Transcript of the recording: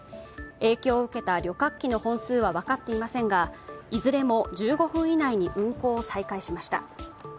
影響を受けた旅客機の本数は分かっていませんがいずれも１５分以内に運航を再開しました。